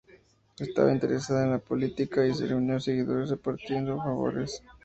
Estaba interesada en la política y se reunió seguidores repartiendo favores.